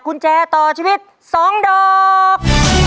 กุญแจต่อชีวิต๒ดอก